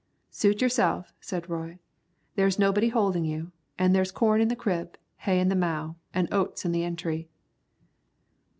"Suit yourself," said Roy; "there's nobody holdin' you, an' there's corn in the crib, hay in the mow, an' oats in the entry."